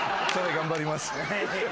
頑張ります。